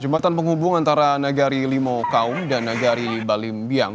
jembatan penghubung antara negari limau kaum dan negari balimbiang